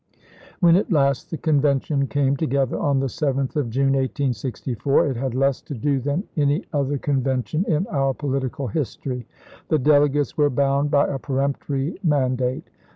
When at last the Convention came together on the 7th of June, 1864, it had less to do than any other convention in our political history. The delegates were bound by a peremptory mandate.